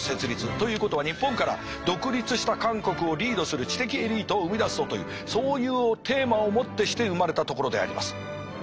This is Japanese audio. ということは日本から独立した韓国をリードする知的エリートを生みだそうというそういうテーマをもってして生まれたところであります。